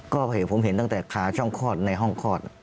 ก็เห็นผมเห็นตั้งแต่ขาช่องคลอดในห้องคลอด